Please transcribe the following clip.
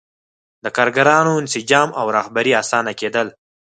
د کارګرانو انسجام او رهبري اسانه کېدل.